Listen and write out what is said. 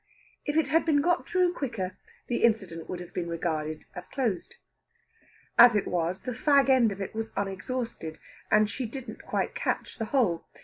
If it had been got through quicker, the incident would have been regarded as closed. As it was, the fag end of it was unexhausted, and she didn't quite catch the whole.